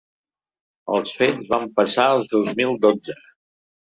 Els fets van passar el dos mil dotze.